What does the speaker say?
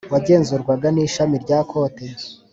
wagenzurwaga n ishami rya Kote